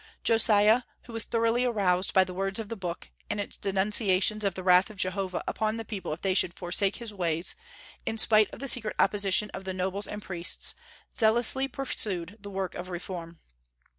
Josiah, who was thoroughly aroused by "the words of the book," and its denunciations of the wrath of Jehovah upon the people if they should forsake his ways, in spite of the secret opposition of the nobles and priests, zealously pursued the work of reform.